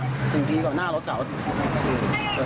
คนที่พี่ยิงเบลขึ้นฟ้า๓นาทีก่อนหน้ารถเขา